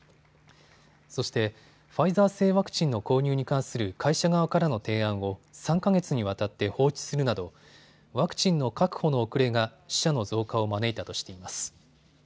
そして、ファイザー製ワクチンの購入に関する会社側からの提案を３か月にわたって放置するなどワクチンの確保の遅れが死者の増加を招いたとしています。